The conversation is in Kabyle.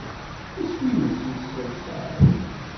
Isem-nnes yesseḍsay.